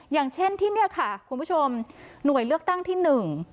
อย่างเช่นที่เนี่ยค่ะคุณผู้ชมหน่วยเลือกตั้งที่หนึ่ง